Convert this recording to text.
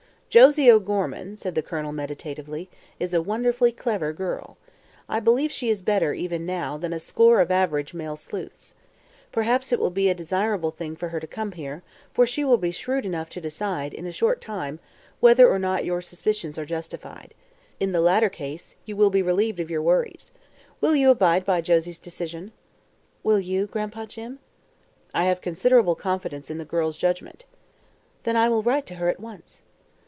"Josie O'Gorman," said the Colonel, meditatively, "is a wonderfully clever girl. I believe she is better, even now, than a score of average male sleuths. Perhaps it will be a desirable thing for her to come here, for she will be shrewd enough to decide, in a short time, whether or not your suspicions are justified. In the latter case, you will be relieved of your worries. Will you abide by Josie's decision?" "Will you, Gran'pa Jim?" "I have considerable confidence in the girl's judgment." "Then I will write to her at once."